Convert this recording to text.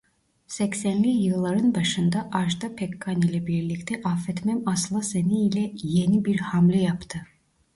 Seksenli yılların başında Ajda Pekkan ile birlikte "Affetmem Asla Seni" ile yeni bir hamle yaptı.